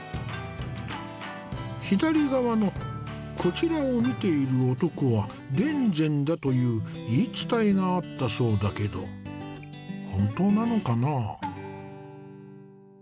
左側のこちらを見ている男は田善だという言い伝えがあったそうだけど本当なのかな？